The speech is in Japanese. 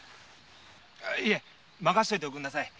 いえ任しといておくんなさい。